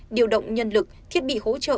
điều động nhân lực thiết bị hỗ trợ